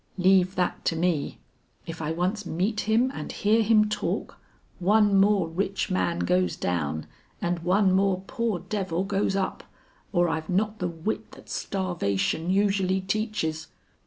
"Leave that to me! If I once meet him and hear him talk, one more rich man goes down and one more poor devil goes up, or I've not the wit that starvation usually teaches."